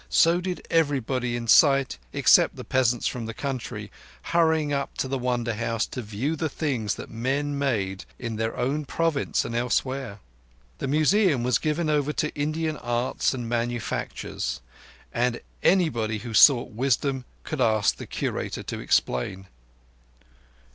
So did everybody in sight except the peasants from the country, hurrying up to the Wonder House to view the things that men made in their own province and elsewhere. The Museum was given up to Indian arts and manufactures, and anybody who sought wisdom could ask the Curator to explain.